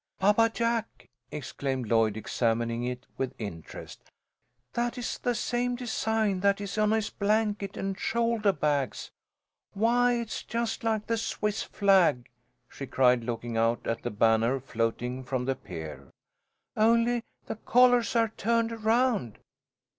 "Papa Jack!" exclaimed Lloyd, examining it with interest, "that is the same design that is on his blanket and shouldah bags. Why, it's just like the Swiss flag!" she cried, looking out at the banner floating from the pier. "Only the colours are turned around.